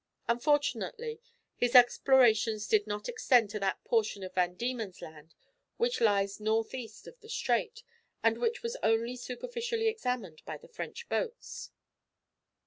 Unfortunately his explorations did not extend to that portion of Van Diemen's Land which lies north east of the strait, and which was only superficially examined by the French boats."